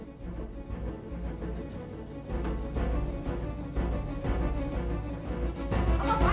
ini jalan itu apaan